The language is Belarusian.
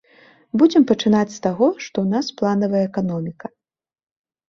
Будзем пачынаць з таго, што ў нас планавая эканоміка.